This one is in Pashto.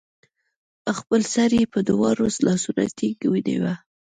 خپل سر يې په دواړو لاسونو ټينګ ونيوه